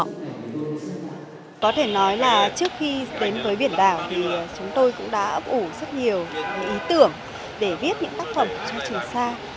có thể nói là trước khi đến với biển đảo thì chúng tôi cũng đã ấp ủ rất nhiều ý tưởng để viết những tác phẩm cho trường sa